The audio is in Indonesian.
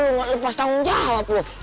lo gak lepas tanggung jawab lo